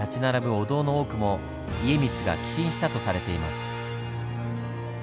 お堂の多くも家光が寄進したとされています。